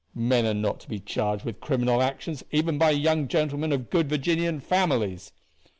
Men are not to be charged with criminal actions even by young gentlemen of good Virginian families."